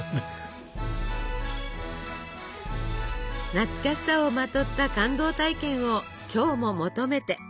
懐かしさをまとった感動体験を今日も求めて。